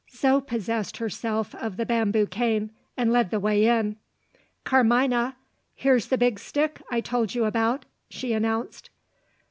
Zo possessed herself of the bamboo cane, and led the way in. "Carmina! here's the big stick, I told you about," she announced.